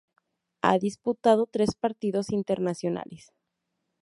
Ha disputado tres partidos internacionales.